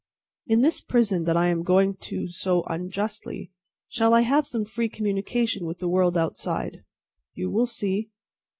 "In this prison that I am going to so unjustly, shall I have some free communication with the world outside?" "You will see."